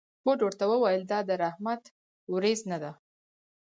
هود ورته وویل: دا د رحمت ورېځ نه ده.